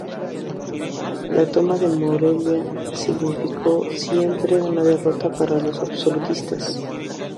La toma de Morella significó siempre la derrota de los absolutistas.